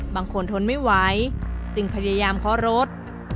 บางคนทนไม่ไหวจึงพยายามคอรถ